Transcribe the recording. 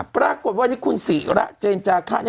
ปรากฏว่านี้คุณศรีระเจนจาค่า